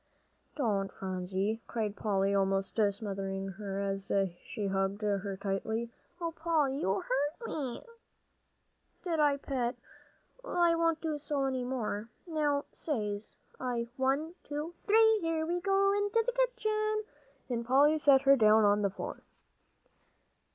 "Don't, Phronsie," cried Polly, almost smothering her as she hugged her tightly. "Oh, Polly, you hurt me!" cried Phronsie. "Did I, Pet? well, I won't do so any more. Now, says I, one, two three, here we go into the kitchen!" and Polly set her down on the floor.